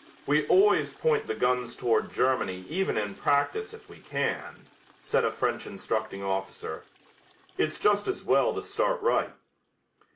"We always point the guns toward Germany even in practice if we can," said a French instructing officer, "it's just as well to start right."